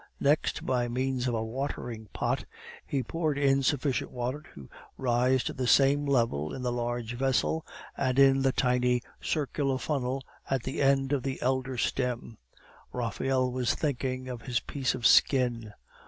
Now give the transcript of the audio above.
Next, by means of a watering pot, he poured in sufficient water to rise to the same level in the large vessel and in the tiny circular funnel at the end of the elder stem. Raphael was thinking of his piece of skin.